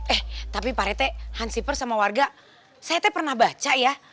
eh tapi pak rt hansi per sama warga saya pernah baca ya